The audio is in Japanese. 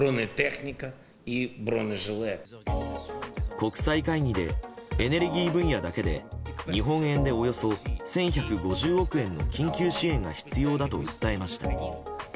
国際会議でエネルギー分野だけで日本円でおよそ１１５０億円の緊急支援が必要だと訴えました。